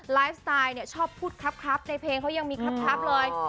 ไลฟ์สไตล์เนี่ยชอบพูดครับในเพลงเขายังมีคลับเลย